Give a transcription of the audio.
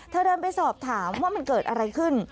เดินไปสอบถามว่ามันเกิดอะไรขึ้น